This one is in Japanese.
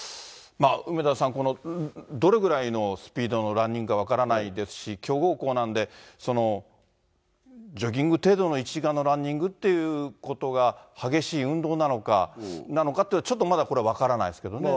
梅沢さん、どれぐらいのスピードのランニングか分からないですし、強豪校なんで、ジョギング程度の１時間のランニングっていうことが激しい運動なのかって、ちょっとまだこれは分からないですけどね。